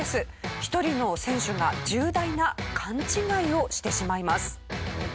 一人の選手が重大な勘違いをしてしまいます。